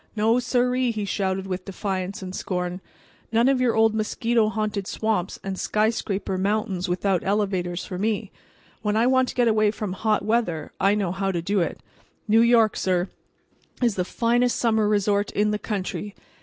"No, siree," he shouted with defiance and scorn. "None of your old mosquito haunted swamps and skyscraper mountains without elevators for me. When I want to get away from hot weather I know how to do it. New York, sir, is the finest summer resort in the country.